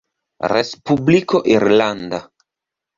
Respubliko Irlanda.